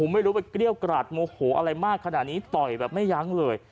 ไม่รู้ไปเกรี้ยวกราดโมโหอะไรมากขนาดนี้ต่อยแบบไม่ยั้งเลย